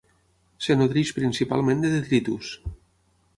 Es nodreix principalment de detritus.